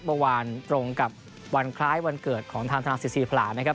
เมื่อวานตรงกับวันคล้ายวันเกิดของทางธนาศิษย์ศรีพลานะครับ